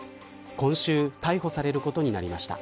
今週逮捕されることになりました。